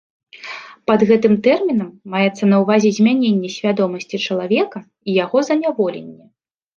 Пад гэтым тэрмінам маецца на ўвазе змяненне свядомасці чалавека і яго заняволенне.